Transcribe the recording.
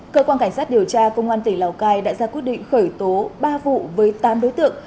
cơ quan cảnh sát điều tra công an tỉnh lào cai đã ra quyết định khởi tố ba vụ với tám đối tượng